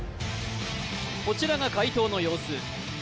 こちらが解答の様子